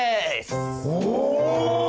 お！